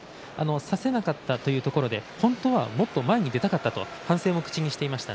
差せなかったというところで本当はもっと前に出たかったと反省も口にしていました。